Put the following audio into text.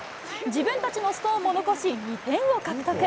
自分たちのストーンも残し、２点を獲得。